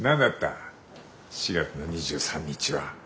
４月の２３日は。